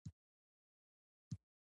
دا کار د ډیر اهمیت لرونکی دی.